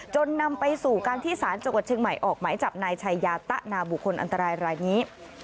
นำไปสู่การที่สารจังหวัดเชียงใหม่ออกหมายจับนายชัยยาตะนาบุคคลอันตรายรายนี้